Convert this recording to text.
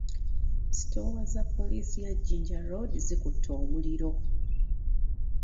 Sitoowa za poliisi ya Jinja road zikutte omuliro.